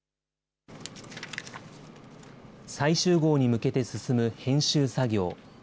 最終号に向けて進む編集作業。